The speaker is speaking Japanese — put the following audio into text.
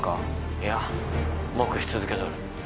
いや黙秘続けとる